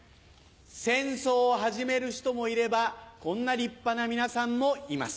戦争を始める人もいればこんな立派な皆さんもいます。